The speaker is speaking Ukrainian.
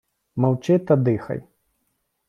Мовчи та дихай.